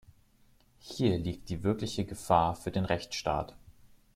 Hier liegt die wirkliche Gefahr für den Rechtsstaat.